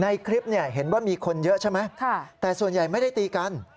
ในคลิปเห็นว่ามีคนเยอะใช่ไหมแต่ส่วนใหญ่ไม่ได้ตีกัน